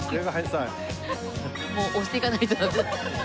もう押していかないとダメだ。